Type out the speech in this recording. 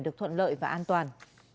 được thuận lợi và an toàn